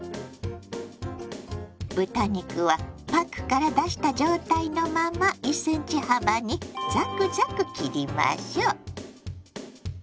豚肉はパックから出した状態のまま１ｃｍ幅にザクザク切りましょう。